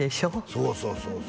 そうそうそうそう